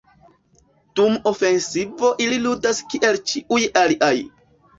Dum ofensivo ili ludas kiel ĉiuj aliaj.